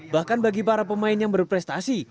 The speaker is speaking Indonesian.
bahkan bagi para pemain yang berprestasi